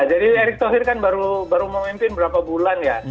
jadi erik thohir kan baru memimpin berapa bulan ya